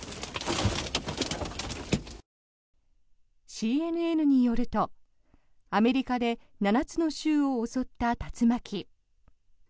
ＣＮＮによると、アメリカで７つの州を襲った竜巻。